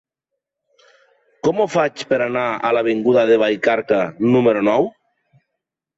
Com ho faig per anar a l'avinguda de Vallcarca número nou?